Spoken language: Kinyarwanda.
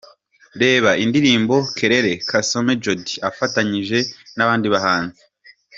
Reba indirimbo Kaleke Kasome Jody afatanyije n’abandi bahanzi.